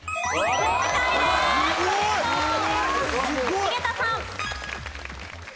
井桁さん。